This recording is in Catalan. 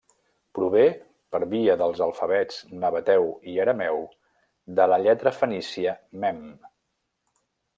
Prové, per via dels alfabets nabateu i arameu, de la lletra fenícia mem.